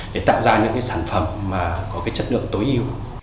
để tạo ra những sản phẩm có chất lượng tối ưu